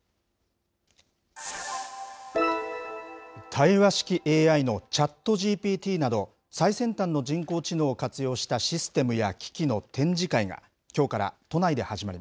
対話式ＡＩのＣｈａｔＧＰＴなど、最先端の人工知能を活用したシステムや機器の展示会が、きょうか